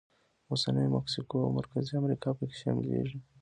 اوسنۍ مکسیکو او مرکزي امریکا پکې شاملېږي.